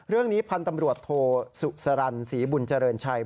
เรื่องนี้พันธ์ตำรวจโทสุสรรศรีบุญเจริญชัย